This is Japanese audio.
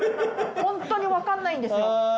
ホントに分かんないんですよ。